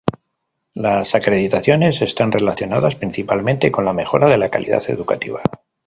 Las acreditaciones están relacionadas principalmente con la mejora de la calidad educativa.